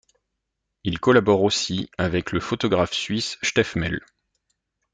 Il collabore aussi avec la photographe suisse Stefmel.